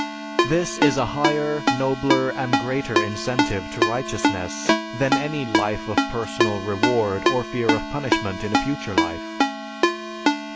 This is a higher, nobler, and greater incentive to righteousness than any life of personal reward or fear of punishment in a future life.